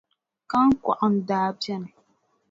Kahiŋkɔɣu n-daa beni.